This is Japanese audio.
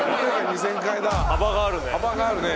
幅があるね。